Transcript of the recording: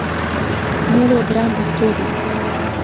Mélodrame historique.